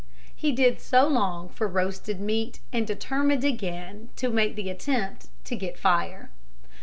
He did so long for roasted meat and determined again to make the attempt to get fire.